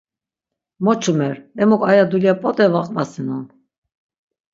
Mo çumer, emuk aya dulya p̆ot̆e va qvasinon.